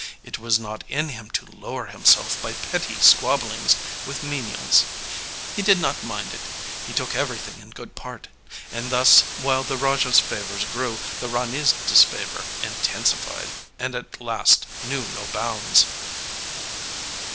It was not in him to lower himself by petty squabblings with menials. He did not mind it; he took everything in good part. And thus while the Raja's favours grew, the Rani's disfavour intensified, and at last knew no bounds.